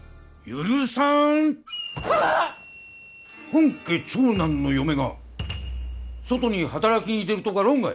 本家長男の嫁が外に働きに出るとか論外。